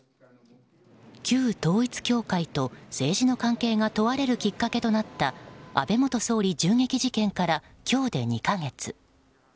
旧統一教会と政治の関係が問われるきっかけとなった安倍元総理銃撃事件から今日で２か月。